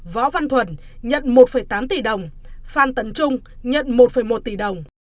võ văn thuần nhận một tám tỷ đồng phan tấn trung nhận một một tỷ đồng